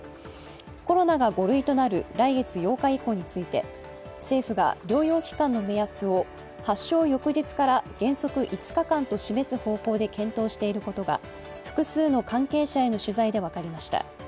コロナが５類となる来月８日以降について政府が療養期間の目安を発症翌日から原則５日間と示す方向で検討していることが複数の関係者への取材で分かりました。